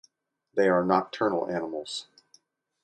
They are nocturnal animals.